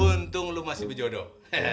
untung lo masih berjodoh